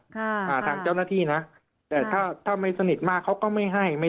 อ่าทางเจ้าหน้าที่นะแต่ถ้าถ้าไม่สนิทมากเขาก็ไม่ให้ไม่